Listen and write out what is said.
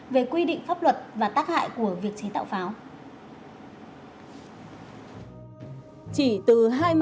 về quy định pháp luật và tác hại của việc chế tạo pháo